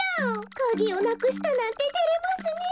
カギをなくしたなんててれますねえ。